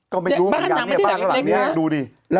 ก็ไม่รู้มั่นอย่างเนี่ย